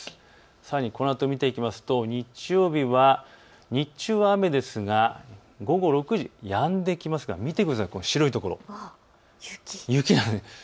さらにこのあと見ていきますと日曜日は日中は雨ですが午後６時、やんできますから白いところ、雪です。